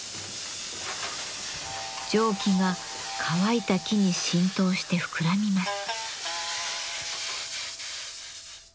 蒸気が乾いた木に浸透して膨らみます。